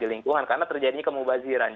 jadi bagaimana pemerintah bisa menurut anda